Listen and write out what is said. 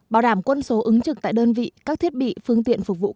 bảo đảm quân số ứng trực tại đơn vị các thiết bị phương tiện phục vụ công ty